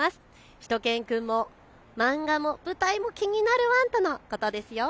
しゅと犬くんも漫画も舞台も気になるワンとのことですよ。